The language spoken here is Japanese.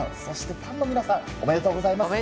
ファンの皆さんおめでとうございます。